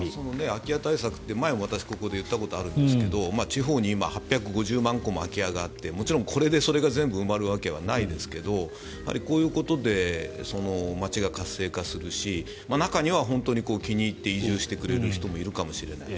空き家対策って前、私ここで言ったことあるんですが地方に今８５０万戸も空き家があってもちろんこれでそれが全部埋まるわけではないですがこういうことで町が活性化するし中には本当に気に入って移住してくれる人もいるかもしれない。